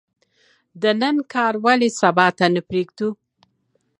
د نن کار ولې سبا ته نه پریږدو؟